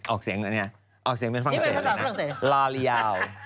ออกเสียงออกเสียงเป็นฟังเศษเลยนะลาเรียล